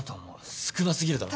少なすぎるだろ。